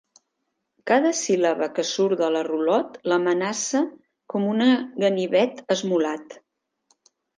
Cada síl·laba que surt de la rulot l'amenaça com una ganivet esmolat.